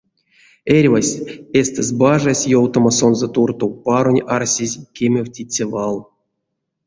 Эрьвась эйстэст бажась ёвтамо сонзэ туртов паронь арсезь кемевтиця вал.